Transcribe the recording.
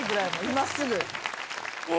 今すぐ。